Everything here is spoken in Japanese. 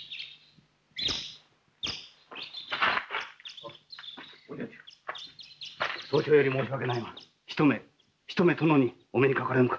あっお女中早朝より申し訳ないが一目一目殿にお目にかかれぬか。